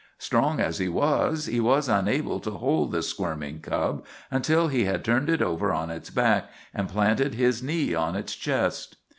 Strong as he was, he was unable to hold the squirming cub until he had turned it over on its back and planted his knee on its chest.